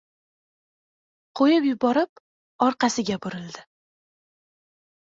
qo‘yib yuborib orqasiga burildi.